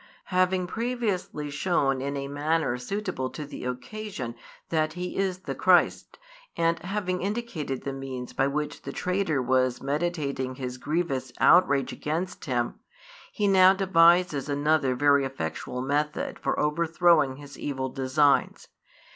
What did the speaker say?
Having previously shown in a manner suitable to the occasion that He is the Christ, and having indicated the means by which the traitor was meditating his grievous outrage against Him, He now devises another very effectual method for overthrowing his evil designs.